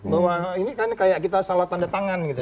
bahwa ini kan kayak kita salah tanda tangan gitu